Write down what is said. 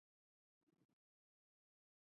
کله چې افغانستان کې ولسواکي وي معلولین کار کوي.